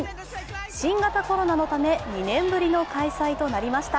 新型コロナのため、２年ぶりの開催となりました。